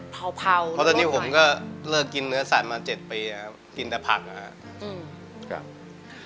เผาเพราะตอนนี้ผมก็เลิกกินเนื้อสัตว์มา๗ปีครับกินแต่ผักนะครับ